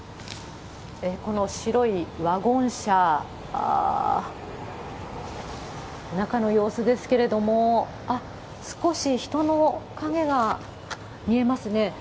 この白いワゴン車、中の様子ですけれども、あっ、少し人の影が見えますね。